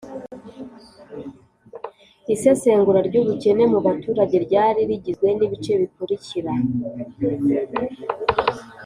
isesengura ry'ubukene mu baturage ryari rigizwe n'ibice bikurikira: